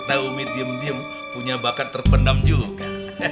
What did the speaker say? ternyata umi diem diem punya bakat terpendam juga